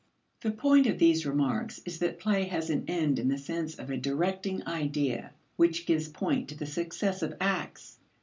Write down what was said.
The point of these remarks is that play has an end in the sense of a directing idea which gives point to the successive acts.